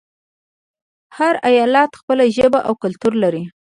هر ایالت خپله ژبه او کلتور لري.